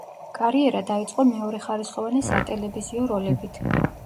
კარიერა დაიწყო მეორეხარისხოვანი სატელევიზიო როლებით.